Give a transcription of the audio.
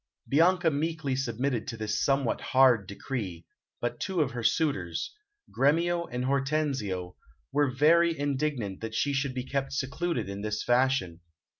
Bianca meekly submitted to this somewhat hard decree, but two of her suitors Gremio and Hortensio were very indignant that she should be kept secluded in this fashion.